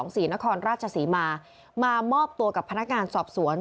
ศรีนครราชศรีมามามอบตัวกับพนักงานสอบสวน